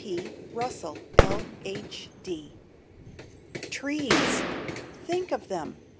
P. RUSSELL, L. H. D.[A] Trees! Think of them!